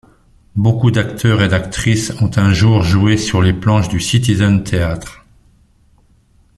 Beaucoup d'acteurs et d'actrices ont un jour joué sur les planches du Citizens Theatre.